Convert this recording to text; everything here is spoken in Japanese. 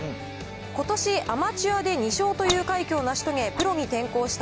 ことしアマチュアで２勝という快挙を成し遂げ、プロに転向した